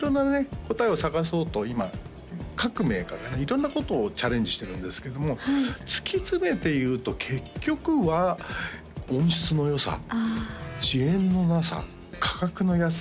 答えを探そうと今各メーカーが色んなことをチャレンジしてるんですけども突き詰めていうと結局は音質のよさ遅延のなさ価格の安さ